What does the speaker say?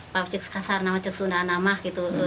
pak cik kasar pak cik sunda pak cik namah gitu